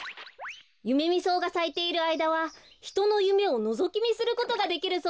ユメミソウがさいているあいだはひとのゆめをのぞきみすることができるそうですよ。